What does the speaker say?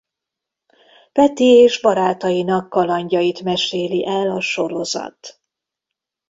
Peti és barátainak kalandjait meséli el a sorozat.